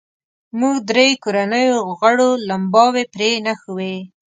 موږ درې کورنیو غړو لمباوې پرې نښوې.